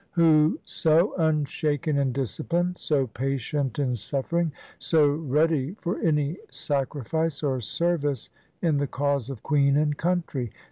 Who so unshaken in discipline, so patient in suffering, so ready for any sacrifice or service in the cause of Queen and country